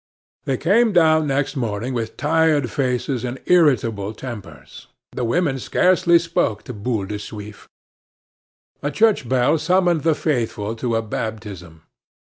They came down next morning with tired faces and irritable tempers; the women scarcely spoke to Boule de Suif. A church bell summoned the faithful to a baptism.